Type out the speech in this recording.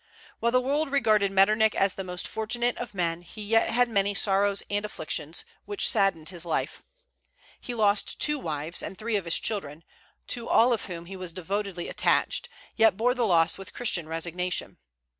While the world regarded Metternich as the most fortunate of men, he yet had many sorrows and afflictions, which saddened his life. He lost two wives and three of his children, to all of whom he was devotedly attached, yet bore the loss with Christian resignation.